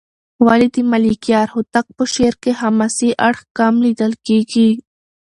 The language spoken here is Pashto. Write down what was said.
ولې د ملکیار هوتک په شعر کې حماسي اړخ کم لېدل کېږي؟